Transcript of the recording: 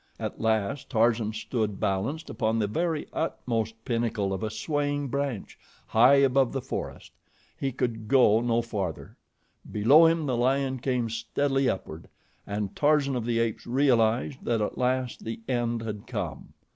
At last Tarzan stood balanced upon the very utmost pinnacle of a swaying branch, high above the forest. He could go no farther. Below him the lion came steadily upward, and Tarzan of the Apes realized that at last the end had come.